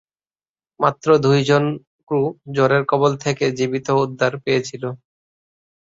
মাত্র দুইজন ক্রু ঝড়ের কবল থেকে জীবিত উদ্ধার পেয়েছিল।